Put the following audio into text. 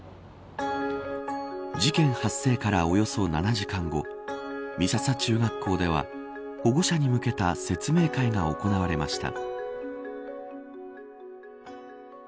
事件発生から、およそ７時間後美笹中学校では保護者に向けた説明会が行われました。